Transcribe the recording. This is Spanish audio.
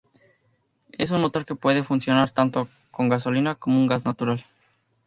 Es un motor que puede funcionar tanto con gasolina como con gas natural.